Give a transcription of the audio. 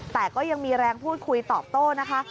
แต่ก็ยังมีแรงพูดคุยตอบโต้นะคะ